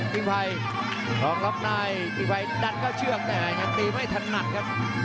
กิ๊กไภย์รองรอบนายกิ๊กไภย์ดัดก็เชือกแต่อย่างงั้นตีไม่ถนัดครับ